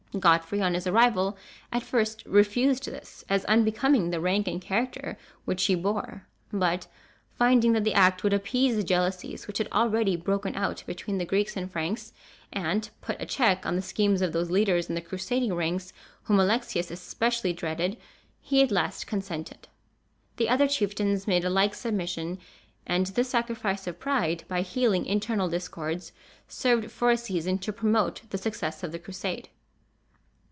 Godfrey, on his arrival, at first refused this, as unbecoming the rank and character which he bore; but, finding that the act would appease the jealousies which had already broken out between the Greeks and Franks, and put a check on the schemes of those leaders in the crusading ranks whom Alexius especially dreaded, he at last consented. The other chieftains made a like submission; and this sacrifice of pride, by healing internal discords, served for a season to promote the success of the Crusade.